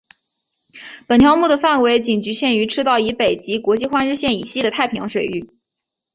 本条目的范围仅局限于赤道以北及国际换日线以西的太平洋水域。